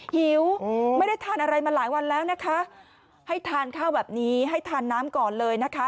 หิวไม่ได้ทานอะไรมาหลายวันแล้วนะคะให้ทานข้าวแบบนี้ให้ทานน้ำก่อนเลยนะคะ